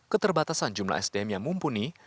keterbatasan jumlah sdm yang mumpuni